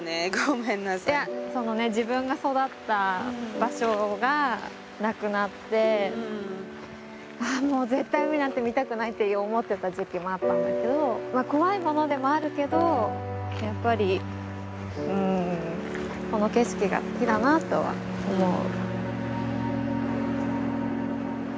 いやそのね自分が育った場所がなくなってあもう絶対海なんて見たくないって思ってた時期もあったんだけど怖いものでもあるけどやっぱりうんこの景色が好きだなとは思う。